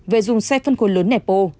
về dùng xe phân khối lớn nẻp ô